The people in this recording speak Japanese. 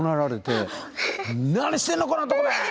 「何してんのこのボケ！」